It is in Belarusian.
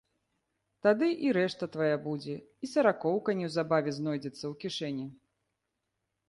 Тады і рэшта твая будзе і саракоўка неўзабаве знойдзецца ў кішэні.